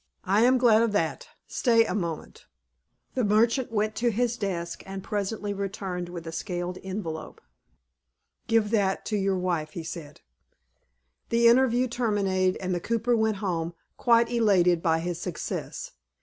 "I am glad of that. Stay a moment." The merchant went to his desk, and presently returned with a scaled envelope. "Give that to your wife," he said. The interview terminated, and the cooper went home, quite elated by his success.